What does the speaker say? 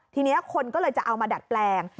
ทีนี้คนก็เลยจะเอามาดัดแปลง